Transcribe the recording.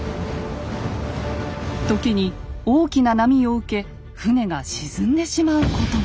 時に大きな波を受け船が沈んでしまうことも。